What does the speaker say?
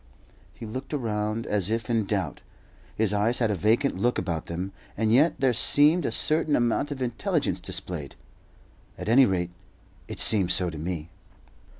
He looked around as if in doubt. His eyes had a vacant look about them, and yet there seemed a certain amount of intelligence displayed at any rate, it seemed so to me.